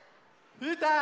うーたん！